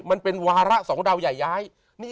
มันเป็นวาระสองดาวใหญ่ย้าย